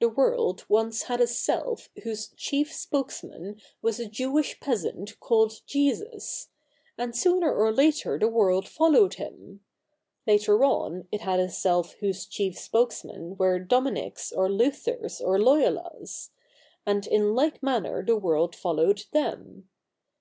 The world once had a Self whose chief spokes man was a Jewish peasant called Jesus ; and sooner or later the world followed him. Later on, it had a Self whose chief spokesmen were Dominies or Luthers or Loyolas ; and in like manner the world followed them.